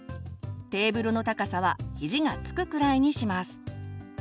テーブルの高さは肘がつくくらいにします。